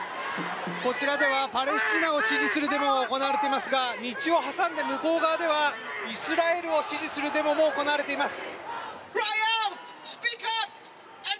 こちらでは、パレスチナを支持するデモが行われていますが道を挟んで向こう側ではイスラエルを支持するデモも行われています。